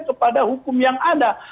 kepada hukum yang ada